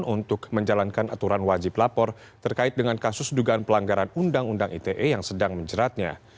untuk menjalankan aturan wajib lapor terkait dengan kasus dugaan pelanggaran undang undang ite yang sedang menjeratnya